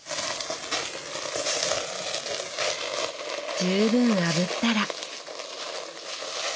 十分あぶったら。